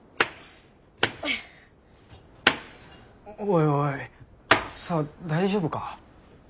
おいおい沙和大丈夫か？